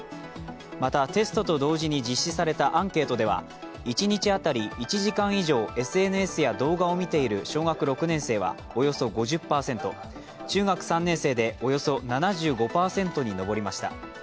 また、テストと同時に実施されたアンケートでは一日当たり１時間以上ＳＮＳや動画を見ている小学６年生はおよそ５０％、中学３年生でおよそ７５％に上りました。